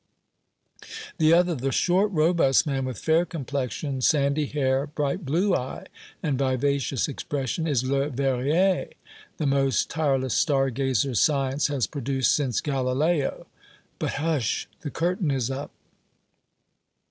The other, the short, robust man, with fair complexion, sandy hair, bright blue eye and vivacious expression, is Le Verrier, the most tireless star gazer science has produced since Galileo. But hush! the curtain is up."